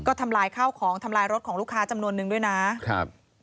ก็ทำลายข้าวของทำลายรถของลูกค้าจำนวนนึงด้วยนะครับ